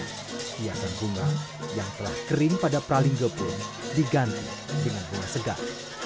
kia dan bunga yang telah kering pada pralinga pun diganti dengan bunga segar